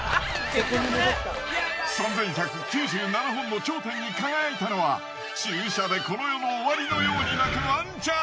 ３，１９７本の頂点に輝いたのは注射でこの世の終わりのように鳴くワンちゃん！